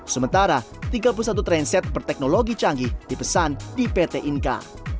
sementara tiga puluh satu tren set berteknologi canggih dipesan di pt inka